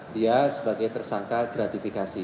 dia sebagai tersangka gratifikasi